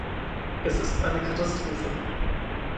Es ist eine Katastrophe.